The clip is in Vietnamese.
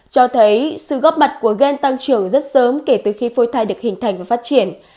cho thấy sự góp mặt của gen tăng trưởng rất sớm kể từ khi phôi thai được hình thành và phát triển